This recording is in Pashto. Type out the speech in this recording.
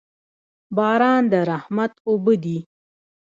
باران د رحمت اوبه دي.